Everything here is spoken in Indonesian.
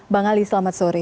bang ali selamat sore